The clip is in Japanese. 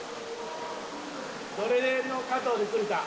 どれの加藤で来るか？